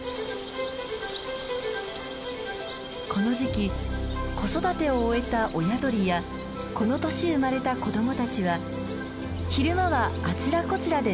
この時期子育てを終えた親鳥やこの年生まれた子どもたちは昼間はあちらこちらで食べ物を探します。